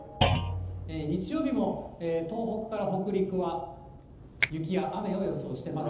日曜日も東北から北陸は雪や雨を予想してますが。